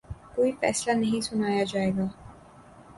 کوئی فیصلہ نہیں سنایا جائے گا